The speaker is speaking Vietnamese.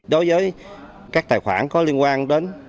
đối với các tài khoản có liên quan đến